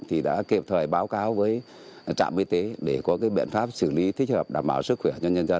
thì đã kịp thời báo cáo với trạm y tế để có cái biện pháp xử lý thích hợp đảm bảo sức khỏe cho nhân dân